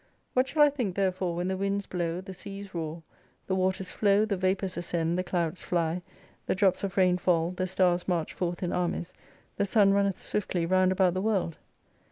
What shall I think therefore when the winds blow, the seas roar, the waters flow, the vapours ascend, the clouds fly, the drops of rain fall, the stars march forth in armies, the sun runneth swiftly round about the world